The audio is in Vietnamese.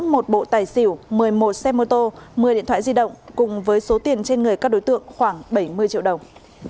một bộ tài xỉu một mươi một xe mô tô một mươi điện thoại di động cùng với số tiền trên người các đối tượng khoảng bảy mươi triệu đồng